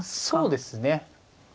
そうですね。